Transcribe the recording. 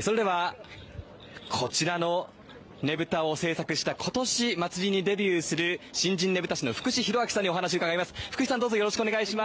それではこちらのねぶたを制作した今年祭りにデビューする新人ねぶた師の福士裕朗さんにお話を聞きます。